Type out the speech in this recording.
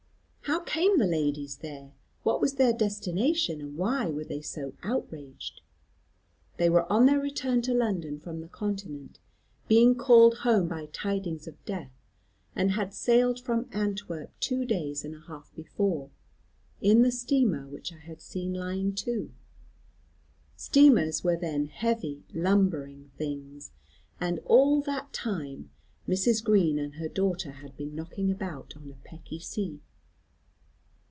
How came the ladies there, what was their destination, and why were they so outraged? They were on their return to London from the Continent, being called home by tidings of death, and had sailed from Antwerp two days and a half before, in the steamer which I had seen lying to. Steamers were then heavy lumbering things, and all that time Mrs. Green and her daughter had been knocking about on a pecky sea.